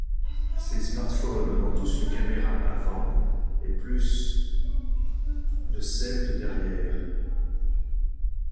Ces smartphones ont tous une caméra avant et plus de celle de derrière.